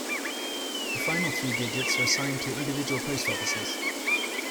The final three digits are assigned to individual post offices.